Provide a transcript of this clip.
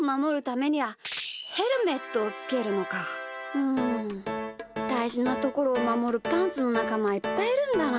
うんだいじなところをまもるパンツのなかまはいっぱいいるんだな。